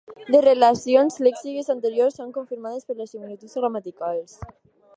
Les relacions lèxiques anteriors són confirmades per les similituds gramaticals.